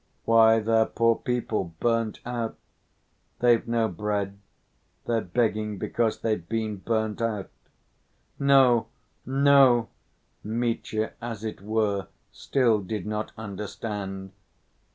"Why, they're poor people, burnt out. They've no bread. They're begging because they've been burnt out." "No, no," Mitya, as it were, still did not understand.